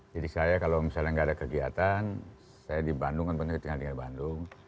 jadi saya kalau misalnya enggak ada kegiatan saya di bandung kan pernah ditinggal ditinggal di bandung